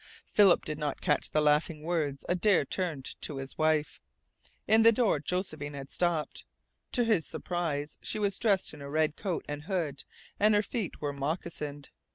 Philip did not catch the laughing words Adare turned to his wife. In the door Josephine had stopped. To his surprise she was dressed in her red coat and hood, and her feet were moccasined.